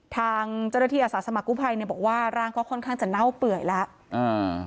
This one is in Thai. ทางเจ้าหน้าที่อาสาสมกู้ภัยเนี่ยบอกว่าร่างก็ค่อนข้างจะเน่าเปื่อยแล้วอ่า